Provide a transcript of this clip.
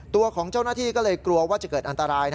ตัวของเจ้าหน้าที่ก็เลยกลัวว่าจะเกิดอันตราย